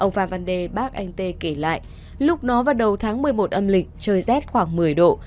ông phạm văn đê bác anh t kể lại lúc đó vào đầu tháng một mươi một âm lịch trời rét khoảng một mươi độ